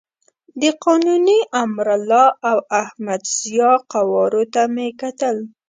د قانوني، امرالله او احمد ضیاء قوارو ته مې کتل.